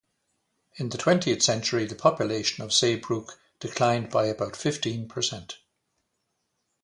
In the twentieth century, the population of Saybrook declined by about fifteen percent.